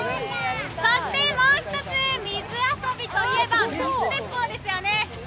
そしてもう一つ、水遊びといえば水鉄砲ですよね。